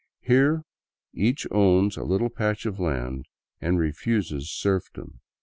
Here 'each owns a little patch of land and refuses serfdom.